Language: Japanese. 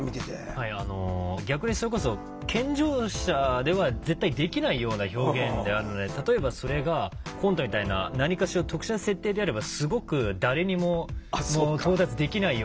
はいあの逆にそれこそ健常者では絶対できないような表現であるので例えばそれがコントみたいな何かしら特殊な設定であればすごく誰にも到達できないような表現であるかなっていうふうに思いました。